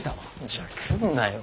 じゃあ来んなよ。